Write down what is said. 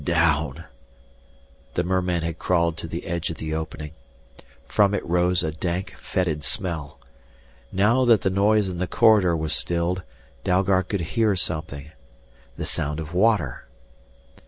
"Down " The merman had crawled to the edge of the opening. From it rose a dank, fetid smell. Now that the noise in the corridor was stilled Dalgard could hear something: the sound of water.